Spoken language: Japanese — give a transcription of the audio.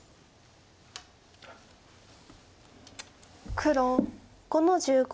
黒５の十五。